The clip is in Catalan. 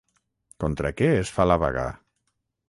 Contra què es fa la vaga?